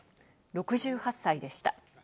６８歳でした。